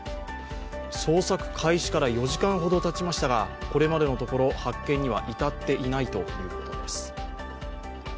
捜索開始から４時間ほどたちましたが、これまでのところ発見には至っていないということです。